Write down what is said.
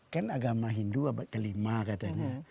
kan agama hindu abad ke lima katanya